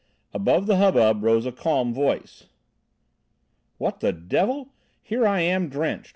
Above the hubbub rose a calm voice. "What the devil! Here I am drenched!